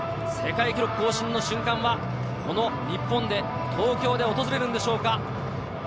世界記録更新の瞬間はこの日本で東京で訪れるんでしょうか？